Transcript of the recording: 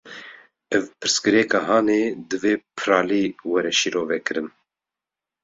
Ev pirsgirêka hanê, divê piralî were şîrovekirin